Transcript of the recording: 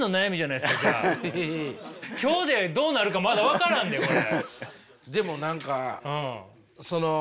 今日でどうなるかまだ分からんでこれ。